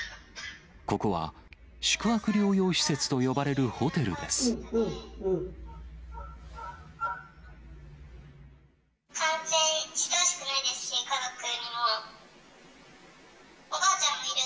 ここは、宿泊療養施設と呼ばれるホテルです。